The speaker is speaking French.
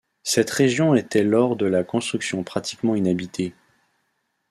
Cette région était lors de la construction pratiquement inhabitée.